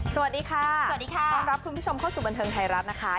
สวัสดีค่ะสวัสดีค่ะต้อนรับคุณผู้ชมเข้าสู่บันเทิงไทยรัฐนะคะ